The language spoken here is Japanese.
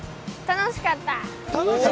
楽しかった。